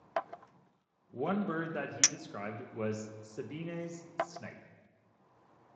One bird that he described was "Sabine's snipe".